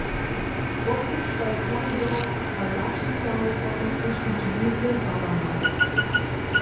Wopušćtaj koridor a začińtaj potom tež tute durje za wamaj.